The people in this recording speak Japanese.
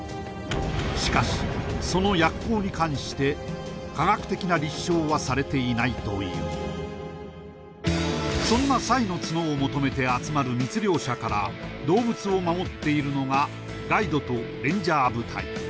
しかしその薬効に関して科学的な立証はされていないというそんなサイの角を求めて集まる密猟者から動物を守っているのがガイドとレンジャー部隊